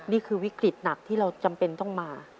วิกฤตหนักที่เราจำเป็นต้องมา